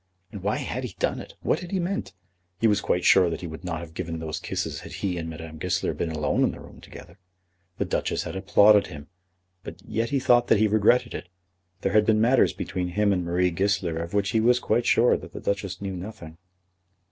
And why had he done it? What had he meant? He was quite sure that he would not have given those kisses had he and Madame Goesler been alone in the room together. The Duchess had applauded him, but yet he thought that he regretted it. There had been matters between him and Marie Goesler of which he was quite sure that the Duchess knew nothing.